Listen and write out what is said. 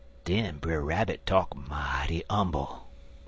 "Den Brer Rabbit talk mighty 'umble.